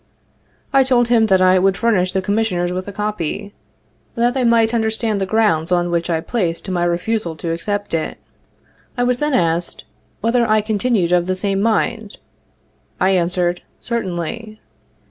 I told him that 'I would furnish the Commission ers with a copy, that they might understand the grounds on which I placed my refusal to accept it.' I was then asked, ' whether I con tinued of the same mind?' I answered, 'certainly.'